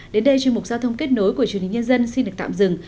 đến đây chương trình giao thông kết nối của chủ nhật nhân dân xin được tạm dừng